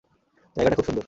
জায়গাটা খুব সুন্দর।